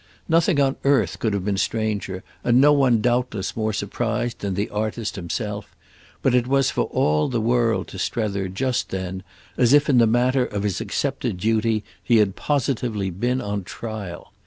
Nothing on earth could have been stranger and no one doubtless more surprised than the artist himself, but it was for all the world to Strether just then as if in the matter of his accepted duty he had positively been on trial.